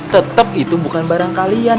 tetap itu bukan barang kalian